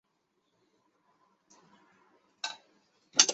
闭花木为大戟科闭花木属下的一个种。